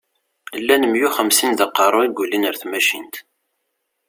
Llan miyya u xemsin d aqeṛṛu i yulin ar tmacint.